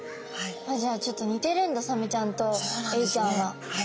じゃあちょっと似てるんだサメちゃんとエイちゃんは。